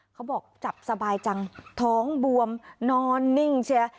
เขาบอกจับสบายจังท้องบวมนอนนิ่งเชีย